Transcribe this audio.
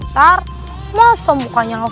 masa mukanya langsung sedih kayak begitu